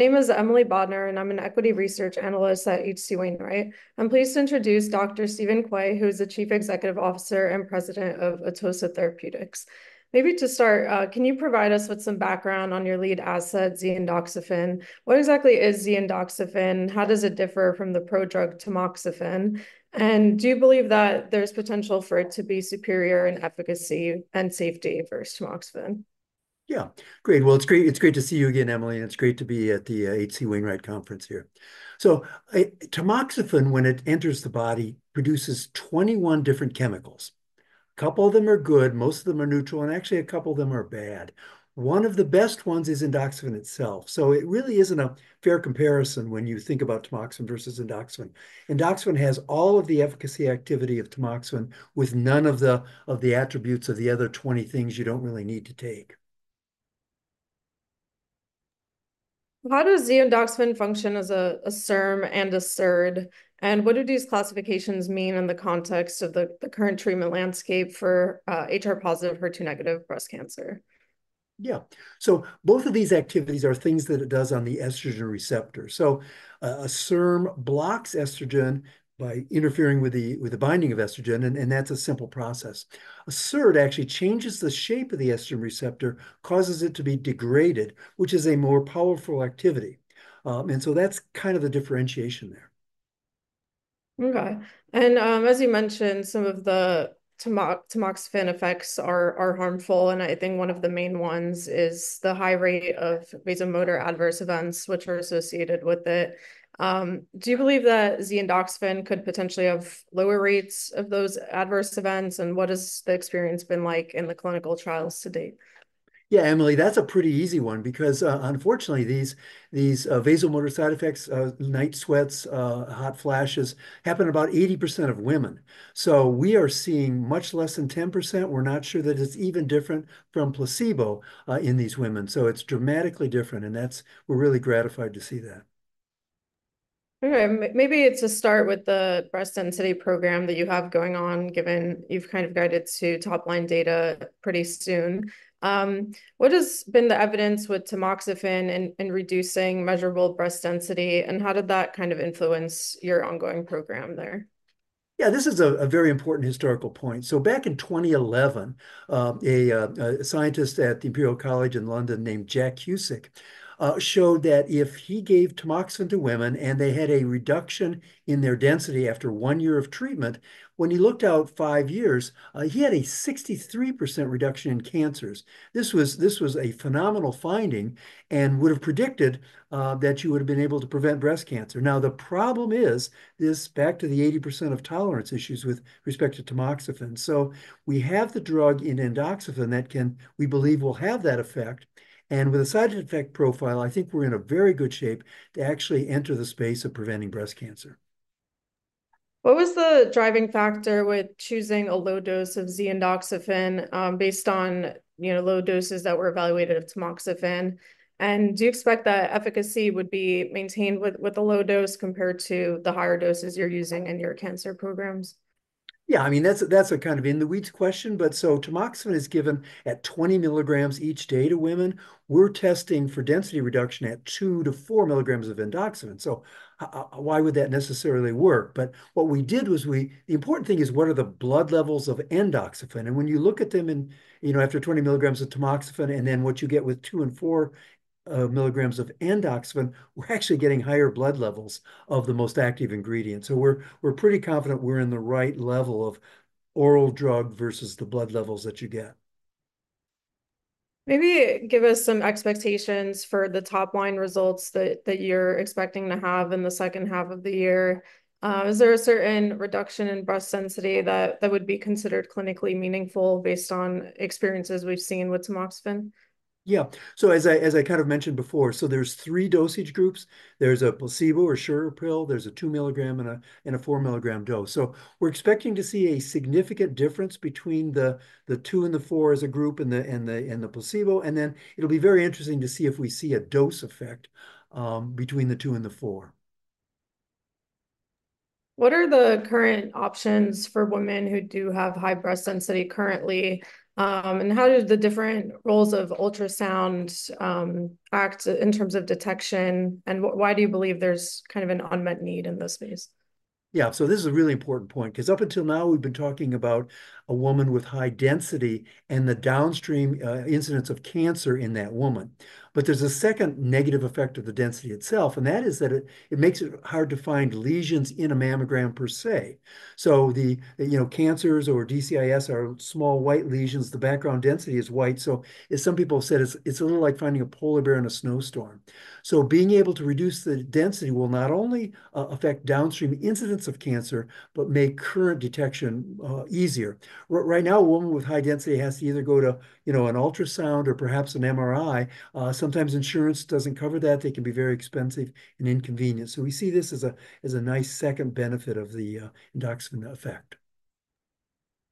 My name is Emily Bodnar, and I'm an equity research analyst at H.C. Wainwright. I'm pleased to introduce Dr. Steven Quay, who is the Chief Executive Officer and President of Atossa Therapeutics. Maybe to start, can you provide us with some background on your lead asset, (Z)-endoxifen? What exactly is (Z)-endoxifen, how does it differ from the prodrug tamoxifen, and do you believe that there's potential for it to be superior in efficacy and safety versus tamoxifen? Yeah. Great, well, it's great, it's great to see you again, Emily, and it's great to be at the H.C. Wainwright Conference here. So tamoxifen, when it enters the body, produces twenty-one different chemicals. A couple of them are good, most of them are neutral, and actually, a couple of them are bad. One of the best ones is endoxifen itself, so it really isn't a fair comparison when you think about tamoxifen versus endoxifen. Endoxifen has all of the efficacy activity of tamoxifen, with none of the attributes of the other twenty things you don't really need to take. How does (Z)-endoxifen function as a SERM and a SERD? What do these classifications mean in the context of the current treatment landscape for HR-positive, HER2-negative breast cancer? Yeah. So both of these activities are things that it does on the estrogen receptor. A SERM blocks estrogen by interfering with the binding of estrogen, and that's a simple process. A SERD actually changes the shape of the estrogen receptor, causes it to be degraded, which is a more powerful activity, and so that's kind of the differentiation there. Okay, and, as you mentioned, some of the tamoxifen effects are harmful, and I think one of the main ones is the high rate of vasomotor adverse events, which are associated with it. Do you believe that (Z)-endoxifen could potentially have lower rates of those adverse events, and what has the experience been like in the clinical trials to date? Yeah, Emily, that's a pretty easy one because, unfortunately, these vasomotor side effects, night sweats, hot flashes, happen about 80% of women. So we are seeing much less than 10%. We're not sure that it's even different from placebo, in these women, so it's dramatically different, and that's... We're really gratified to see that. Okay, maybe to start with the breast density program that you have going on, given you've kind of guided to top-line data pretty soon. What has been the evidence with tamoxifen in reducing measurable breast density, and how did that kind of influence your ongoing program there? Yeah, this is a very important historical point. So back in 2011, a scientist at the Imperial College London named Jack Cuzick showed that if he gave tamoxifen to women and they had a reduction in their density after one year of treatment, when he looked out five years, he had a 63% reduction in cancers. This was a phenomenal finding and would've predicted that you would've been able to prevent breast cancer. Now, the problem is, this back to the 80% of tolerance issues with respect to tamoxifen. So we have the drug endoxifen that can, we believe will have that effect, and with a side effect profile, I think we're in a very good shape to actually enter the space of preventing breast cancer. What was the driving factor with choosing a low dose of (Z)-endoxifen, based on, you know, low doses that were evaluated of tamoxifen? Do you expect that efficacy would be maintained with a low dose compared to the higher doses you're using in your cancer programs? Yeah, I mean, that's a kind of in-the-weeds question. But, so tamoxifen is given at 20 milligrams each day to women. We're testing for density reduction at 2-4 milligrams of endoxifen, so why would that necessarily work? But what we did was the important thing is, what are the blood levels of endoxifen? When you look at them in, you know, after 20 milligrams of tamoxifen and then what you get with 2 and 4 milligrams of endoxifen, we're actually getting higher blood levels of the most active ingredient. So we're pretty confident we're in the right level of oral drug versus the blood levels that you get. Maybe give us some expectations for the top-line results that you're expecting to have in the second half of the year. Is there a certain reduction in breast density that would be considered clinically meaningful based on experiences we've seen with tamoxifen? Yeah, so as I kind of mentioned before, so there's three dosage groups. There's a placebo, a sugar pill, there's a two-milligram and a four-milligram dose. So we're expecting to see a significant difference between the two and the four as a group and the placebo, and then it'll be very interesting to see if we see a dose effect between the two and the four. What are the current options for women who do have high breast density currently, and how do the different roles of ultrasound act in terms of detection, and why do you believe there's kind of an unmet need in this space? Yeah, so this is a really important point, 'cause up until now, we've been talking about a woman with high density and the downstream incidence of cancer in that woman. But there's a second negative effect of the density itself, and that is that it makes it hard to find lesions in a mammogram per se. So the you know, cancers or DCIS are small, white lesions. The background density is white, so as some people have said, it's a little like finding a polar bear in a snowstorm. So being able to reduce the density will not only affect downstream incidence of cancer but make current detection easier. Right now, a woman with high density has to either go to, you know, an ultrasound or perhaps an MRI. Sometimes insurance doesn't cover that. They can be very expensive and inconvenient, so we see this as a nice second benefit of the endoxifen effect.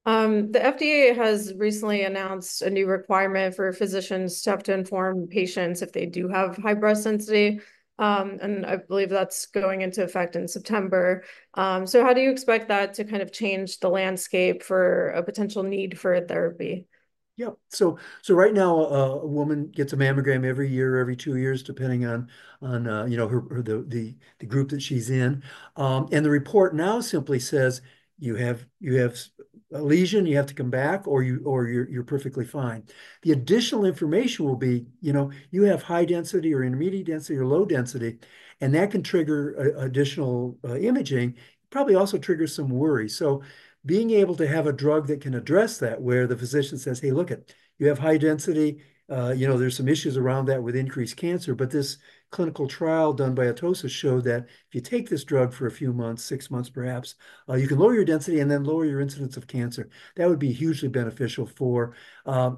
The FDA has recently announced a new requirement for physicians to have to inform patients if they do have high breast density, and I believe that's going into effect in September, so how do you expect that to kind of change the landscape for a potential need for a therapy? Yeah, so right now, a woman gets a mammogram every year or every two years, depending on, you know, her, the group that she's in. The report now simply says, "You have a lesion, you have to come back," or, "You're perfectly fine." The additional information will be, you know, you have high density or intermediate density or low density, and that can trigger additional imaging, probably also triggers some worry. Being able to have a drug that can address that, where the physician says, "Hey, look it, you have high density, you know, there's some issues around that with increased cancer, but this clinical trial done by Atossa showed that if you take this drug for a few months, six months perhaps, you can lower your density and then lower your incidence of cancer." That would be hugely beneficial for,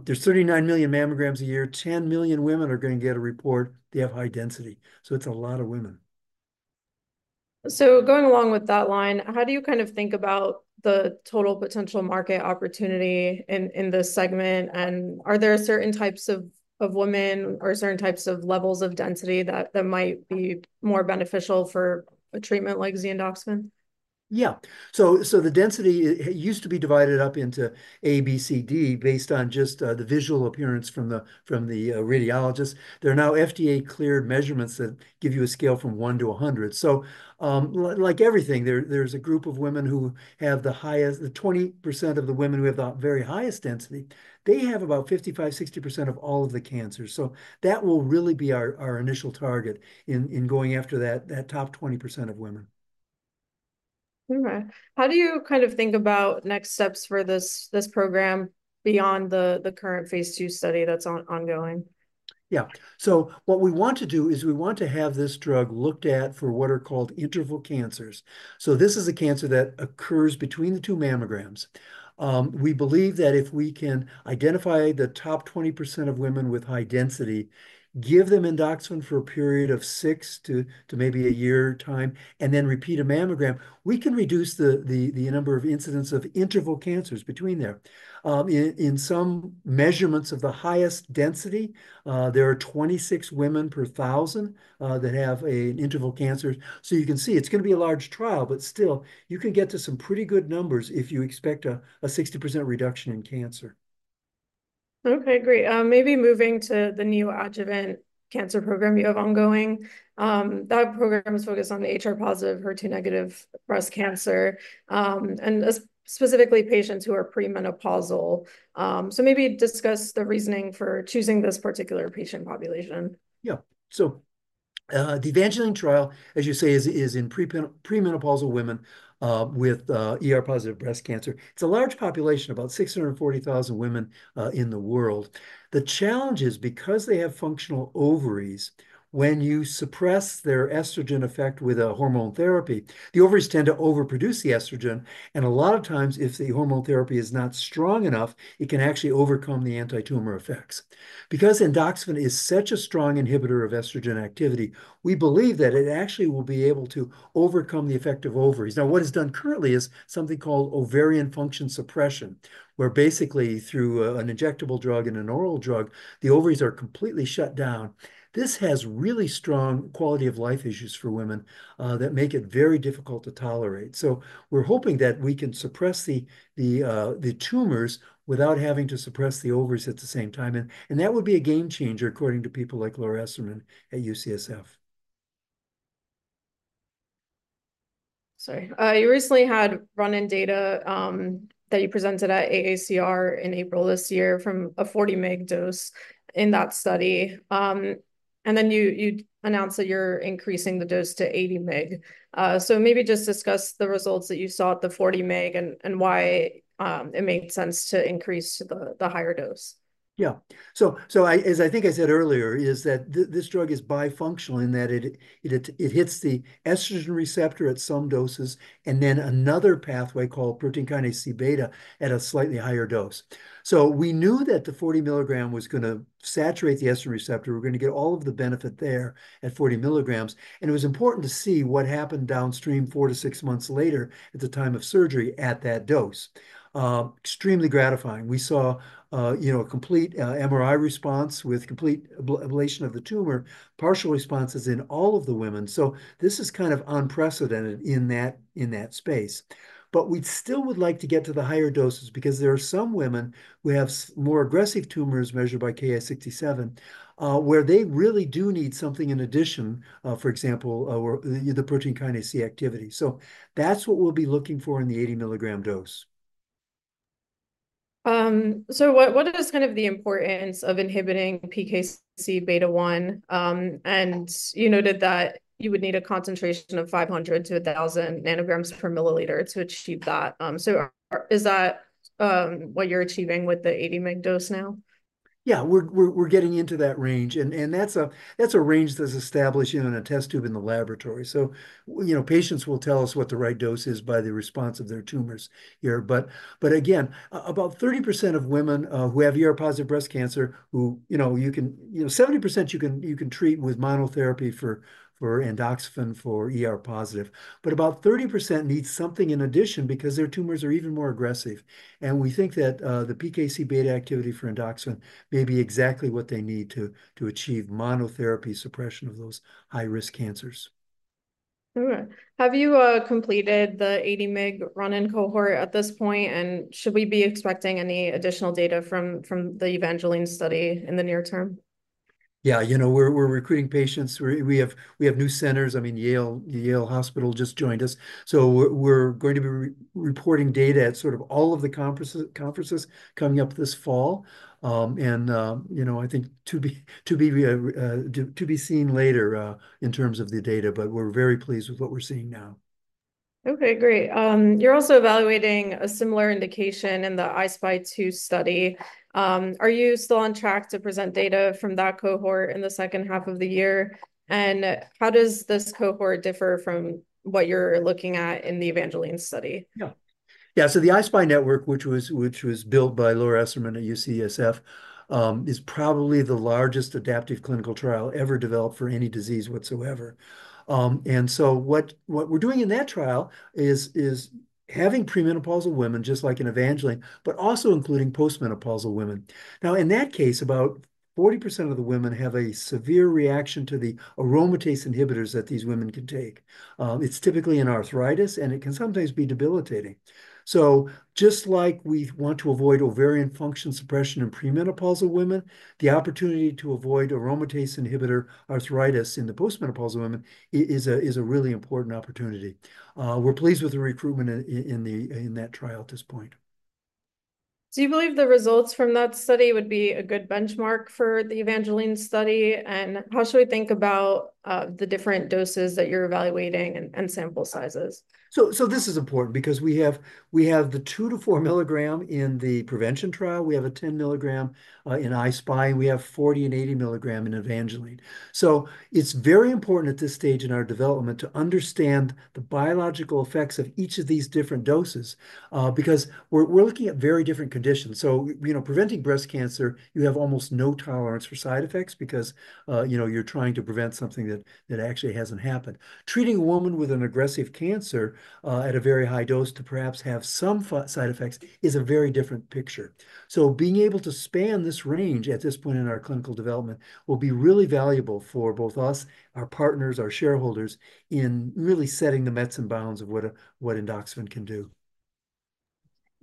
there's 39 million mammograms a year. Ten million women are gonna get a report they have high density, so it's a lot of women. So going along with that line, how do you kind of think about the total potential market opportunity in this segment? Are there certain types of women or certain types of levels of density that might be more beneficial for a treatment like endoxifen? Yeah. So the density it used to be divided up into A, B, C, D, based on just the visual appearance from the radiologist. There are now FDA-cleared measurements that give you a scale from one to a hundred. So like everything, there's a group of women who have the highest. The 20% of the women who have the very highest density, they have about 55-60% of all of the cancers, so that will really be our initial target in going after that top 20% of women. All right. How do you kind of think about next steps for this program beyond the current phase 2 study that's ongoing? Yeah. So what we want to do is we want to have this drug looked at for what are called interval cancers. So this is a cancer that occurs between the two mammograms. We believe that if we can identify the top 20% of women with high density, give them endoxifen for a period of six to maybe a year time, and then repeat a mammogram, we can reduce the number of incidents of interval cancers between there. In some measurements of the highest density, there are 26 women per thousand that have an interval cancer. So you can see it's gonna be a large trial, but still, you can get to some pretty good numbers if you expect a 60% reduction in cancer. Okay, great. Maybe moving to the neoadjuvant cancer program you have ongoing. That program is focused on the HR-positive, HER2-negative breast cancer, and specifically patients who are premenopausal. So maybe discuss the reasoning for choosing this particular patient population. Yeah. The EVANGELINE trial, as you say, is in premenopausal women with ER-positive breast cancer. It's a large population, about 640,000 women in the world. The challenge is, because they have functional ovaries, when you suppress their estrogen effect with a hormone therapy, the ovaries tend to overproduce the estrogen, and a lot of times, if the hormone therapy is not strong enough, it can actually overcome the anti-tumor effects. Because endoxifen is such a strong inhibitor of estrogen activity, we believe that it actually will be able to overcome the effect of ovaries. Now, what is done currently is something called ovarian function suppression, where basically through an injectable drug and an oral drug, the ovaries are completely shut down. This has really strong quality-of-life issues for women that make it very difficult to tolerate. So we're hoping that we can suppress the tumors without having to suppress the ovaries at the same time, and that would be a game changer, according to people like Laura Esserman at UCSF. Sorry. You recently had run-in data that you presented at AACR in April this year from a 40-mg dose in that study. Then you announced that you're increasing the dose to 80 mg. So maybe just discuss the results that you saw at the 40 mg and why it made sense to increase to the higher dose. Yeah. So I, as I think I said earlier, is that this drug is bifunctional in that it hits the estrogen receptor at some doses, and then another pathway, called protein kinase C beta, at a slightly higher dose. So we knew that the 40 milligram was gonna saturate the estrogen receptor. We were gonna get all of the benefit there at 40 milligrams, and it was important to see what happened downstream, four to six months later, at the time of surgery, at that dose. Extremely gratifying. We saw, you know, a complete MRI response with complete ablation of the tumor, partial responses in all of the women. So this is kind of unprecedented in that space. But we'd still like to get to the higher doses, because there are some women who have more aggressive tumors, measured by Ki-67, where they really do need something in addition, for example, the protein kinase C activity. So that's what we'll be looking for in the 80-milligram dose. What is kind of the importance of inhibiting PKC beta-1? You noted that you would need a concentration of 500 to 1,000 nanograms per milliliter to achieve that. Is that what you're achieving with the 80-mg dose now? Yeah, we're getting into that range, and that's a range that's established in a test tube in the laboratory. You know, patients will tell us what the right dose is by the response of their tumors here. But again, about 30% of women who have ER-positive breast cancer, you know, 70% you can treat with monotherapy for endoxifen for ER-positive. But about 30% need something in addition, because their tumors are even more aggressive, and we think that the PKC beta activity for endoxifen may be exactly what they need to achieve monotherapy suppression of those high-risk cancers.... All right. Have you completed the 80 mg run-in cohort at this point, and should we be expecting any additional data from the EVANGELINE study in the near term? Yeah, you know, we're recruiting patients. We have new centers. I mean, Yale Hospital just joined us. So we're going to be reporting data at sort of all of the conferences coming up this fall. You know, I think to be seen later in terms of the data, but we're very pleased with what we're seeing now. Okay, great. You're also evaluating a similar indication in the I-SPY 2 study. Are you still on track to present data from that cohort in the second half of the year? How does this cohort differ from what you're looking at in the EVANGELINE study? Yeah. Yeah, so the I-SPY network, which was built by Laura Esserman at UCSF, is probably the largest adaptive clinical trial ever developed for any disease whatsoever. What we're doing in that trial is having premenopausal women, just like in EVANGELINE, but also including postmenopausal women. Now, in that case, about 40% of the women have a severe reaction to the aromatase inhibitors that these women can take. It's typically in arthritis, and it can sometimes be debilitating. So just like we want to avoid ovarian function suppression in premenopausal women, the opportunity to avoid aromatase inhibitor arthritis in the postmenopausal women is a really important opportunity. We're pleased with the recruitment in that trial at this point. Do you believe the results from that study would be a good benchmark for the EVANGELINE study? How should we think about the different doses that you're evaluating and sample sizes? So this is important because we have the 2-4 milligram in the prevention trial, we have a 10 milligram in I-SPY, and we have 40 and 80 milligram in EVANGELINE. So it's very important at this stage in our development to understand the biological effects of each of these different doses because we're looking at very different conditions. You know, preventing breast cancer, you have almost no tolerance for side effects because, you know, you're trying to prevent something that actually hasn't happened. Treating a woman with an aggressive cancer at a very high dose to perhaps have some side effects is a very different picture. Being able to span this range at this point in our clinical development will be really valuable for both us, our partners, our shareholders, in really setting the metes and bounds of what endoxifen can do.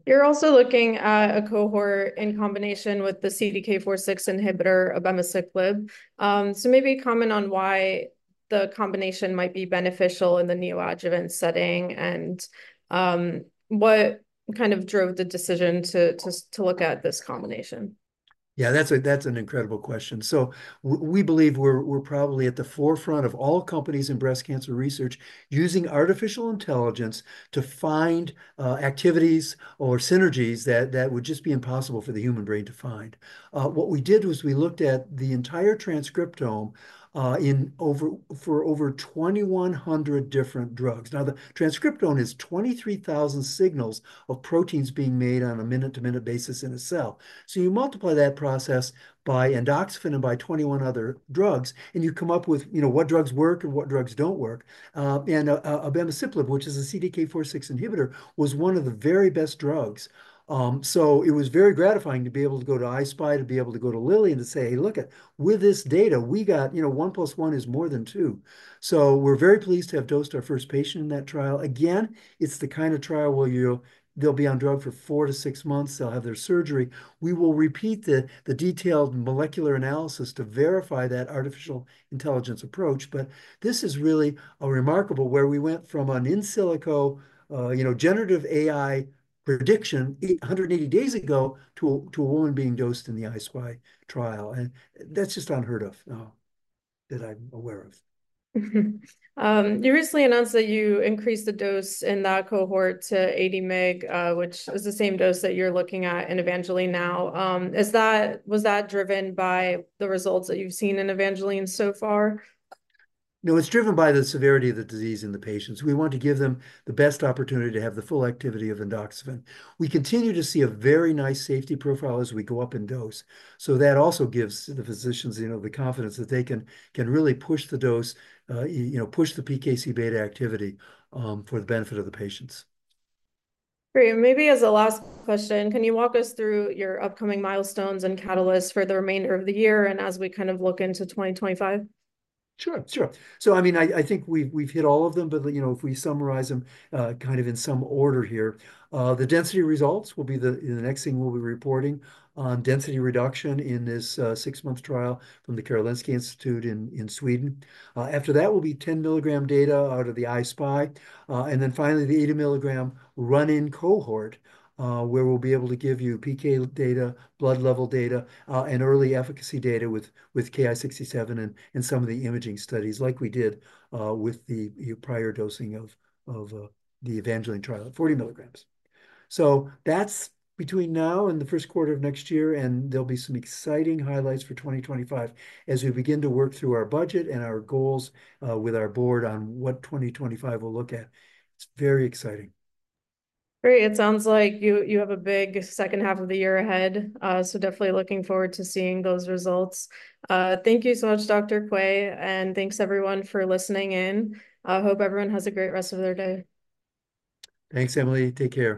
You're also looking at a cohort in combination with the CDK 4/6 inhibitor abemaciclib. So maybe comment on why the combination might be beneficial in the neoadjuvant setting, and what kind of drove the decision to look at this combination? Yeah, that's an incredible question. So we believe we're probably at the forefront of all companies in breast cancer research using artificial intelligence to find activities or synergies that would just be impossible for the human brain to find. What we did was we looked at the entire transcriptome for over 2,100 different drugs. Now, the transcriptome is 23,000 signals of proteins being made on a minute-to-minute basis in a cell. So you multiply that process by endoxifen and by 21 other drugs, and you come up with, you know, what drugs work and what drugs don't work. Abemaciclib, which is a CDK 4/6 inhibitor, was one of the very best drugs. So it was very gratifying to be able to go to I-SPY, to be able to go to Lilly and say, "Hey, look at..." With this data, we got, you know, one plus one is more than two." So we're very pleased to have dosed our first patient in that trial. Again, it's the kind of trial where they'll be on drug for four to six months. They'll have their surgery. We will repeat the detailed molecular analysis to verify that artificial intelligence approach. But this is really a remarkable, where we went from an in silico, you know, generative AI prediction a hundred and eighty days ago to a woman being dosed in the I-SPY trial, and that's just unheard of, that I'm aware of. You recently announced that you increased the dose in that cohort to 80 mg, which is the same dose that you're looking at in EVANGELINE now. Is that—was that driven by the results that you've seen in EVANGELINE so far? No, it's driven by the severity of the disease in the patients. We want to give them the best opportunity to have the full activity of endoxifen. We continue to see a very nice safety profile as we go up in dose, so that also gives the physicians, you know, the confidence that they can really push the dose, you know, push the PKC beta activity, for the benefit of the patients. Great, and maybe as a last question, can you walk us through your upcoming milestones and catalysts for the remainder of the year and as we kind of look into 2025? Sure, sure. I mean, I think we've hit all of them, but, you know, if we summarize them, kind of in some order here, the density results will be the next thing we'll be reporting on density reduction in this six-month trial from the Karolinska Institute in Sweden. After that will be 10-milligram data out of the I-SPY, and then finally, the 80-milligram run-in cohort, where we'll be able to give you PK data, blood level data, and early efficacy data with Ki-67 and some of the imaging studies, like we did with the prior dosing of the EVANGELINE trial at 40 milligrams. So that's between now and the first quarter of next year, and there'll be some exciting highlights for 2025 as we begin to work through our budget and our goals, with our board on what 2025 will look at. It's very exciting. Great. It sounds like you have a big second half of the year ahead, so definitely looking forward to seeing those results. Thank you so much, Dr. Quay, and thanks everyone for listening in. I hope everyone has a great rest of their day. Thanks, Emily. Take care.